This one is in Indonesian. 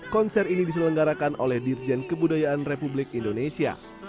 konser ini diselenggarakan oleh dirjen kebudayaan republik indonesia